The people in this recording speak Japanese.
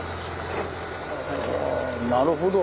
なるほど。